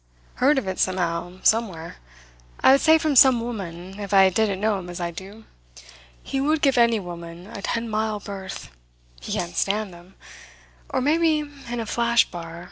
Heard of it somehow, somewhere I would say from some woman, if I didn't know him as I do. He would give any woman a ten mile berth. He can't stand them. Or maybe in a flash bar.